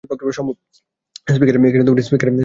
স্পিকারে দিয়ে দেই কলটা।